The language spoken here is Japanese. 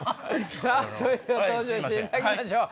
さぁそれでは登場していただきましょう。